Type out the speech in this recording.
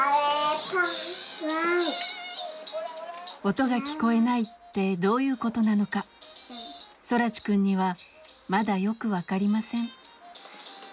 音が聞こえないってどういうことなのか空知くんにはまだよく分かりません。